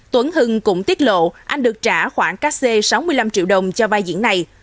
tuấn hưng cũng tiết lộ anh được trả khoảng các xê sáu mươi năm triệu đồng cho vai diễn này